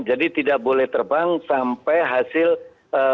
jadi tidak boleh terbang sampai hasil penyelidikan